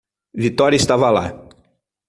Vitória estava lá.